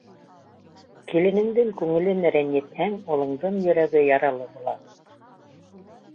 Киленеңдең күңелен рәнйетһәң, улыңдың йөрәге яралы була.